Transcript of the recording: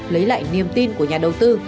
lấy lại niềm tin của nhà đầu tư